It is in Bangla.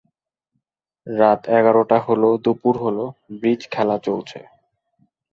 রাত এগারোটা হল, দুপুর হল, ব্রিজ খেলা চলছে।